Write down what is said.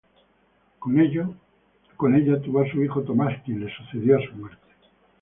Con ella tuvo a su hijo Tomás, quien le sucedió a su muerte.